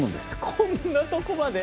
こんなとこまで？